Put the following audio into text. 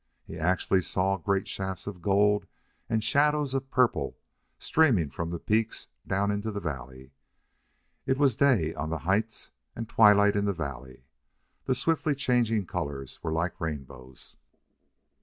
He actually saw great shafts of gold and shadows of purple streaming from the peaks down into the valley. It was day on the heights and twilight in the valley. The swiftly changing colors were like rainbows.